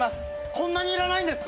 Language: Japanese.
こんなにいらないんですか？